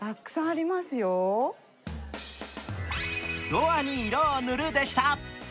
ドアに色を塗るでした。